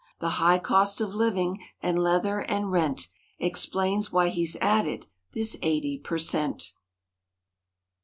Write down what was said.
The high cost of living and leather and rent Explains why he's added this eighty per cent.